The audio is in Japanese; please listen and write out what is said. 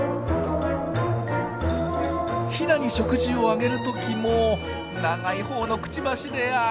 ヒナに食事をあげる時も長いほうのクチバシであ！